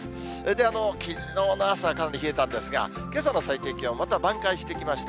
で、きのうの朝、かなり冷えたんですが、けさの最低気温、また挽回してきました。